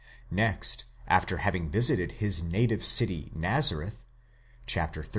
Next, after having visited his native city Nazareth (xiii.